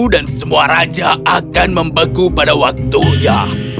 dan semua raja akan membeku pada waktunya